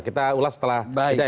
kita ulas setelah